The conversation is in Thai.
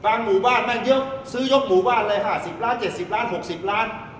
หมู่บ้านแม่งเยอะซื้อยกหมู่บ้านเลย๕๐ล้าน๗๐ล้าน๖๐ล้าน